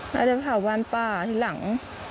แล้วจะเผาบ้านป้าที่หลัง